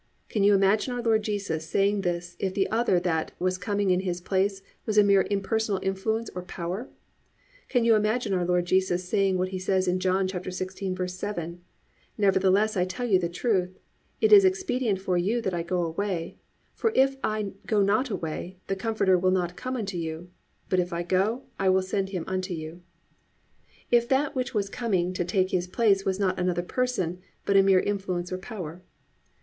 Can you imagine our Lord Jesus saying this if the other that was coming to take His place was a mere impersonal influence or power? Can you imagine our Lord Jesus saying what He says in John 16:7, +"Nevertheless I tell you the truth, it is expedient for you that I go away; for if I go not away, the Comforter will not come unto you; but if I go, I will send him unto you,"+ if that which was coming to take His place was not another person but a mere influence or power.